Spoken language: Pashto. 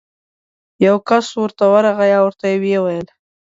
یو کس ورته ورغی او ورته ویې ویل: